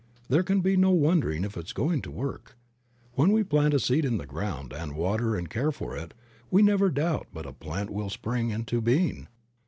There can be no wondering if it is going to work. When we plant a seed in the ground and water and care for it, we never doubt but a plant will spring into being.